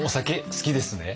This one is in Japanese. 好きです。